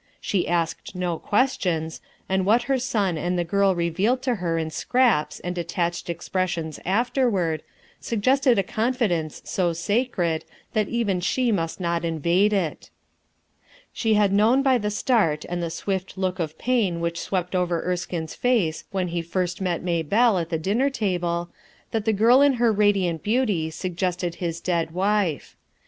She asked no questions, and what her son and the girl revealed to her in scraps and detached expressions afterward, suggested a confidence so sacred that even she must not invade it REXUXCIATIOX 377 She had known by the start and v look of pain which swept over Erski *hen he first met HaybcQe at the Lj£? that the girl in her radiant beaut j sugg^ dead wife.